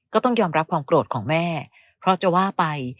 ก็ต้องยอมรับความโกรธของแม่เพราะจะว่าไป